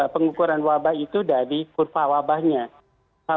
pengukuran wabah itu dari kurva wabahnya